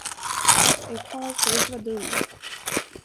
En karl får inte vara dum.